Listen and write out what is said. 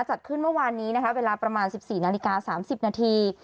จัดขึ้นเมื่อวานนี้นะคะเวลาประมาณ๑๔นาฬิกา๓๐นาที